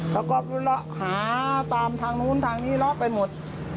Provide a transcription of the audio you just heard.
เขาก็ละขาตามทางนู้นทางนี้ละไปหมด